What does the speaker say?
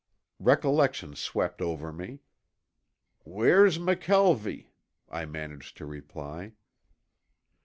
Recollection swept over me. "Where's McKelvie?" I managed to reply.